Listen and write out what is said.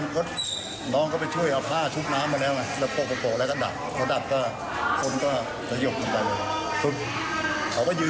ผมก็ยั่งส้มกลางกาย